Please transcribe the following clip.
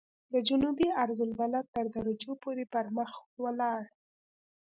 د جنوبي عرض البلد تر درجو پورې پرمخ ولاړ.